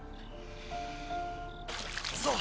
そう。